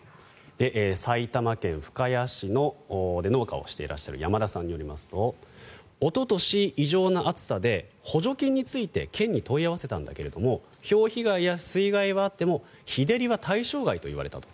埼玉県深谷市で農家をしていらっしゃる山田さんによりますとおととし、異常な暑さで補助金について県に問い合わせたんだけれどひょう被害や水害はあっても日照りは対象外と言われたと。